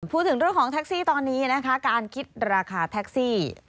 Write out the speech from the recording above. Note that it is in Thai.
พูดถึงเรื่องของแท็กซี่ตอนนี้นะคะการคิดราคาแท็กซี่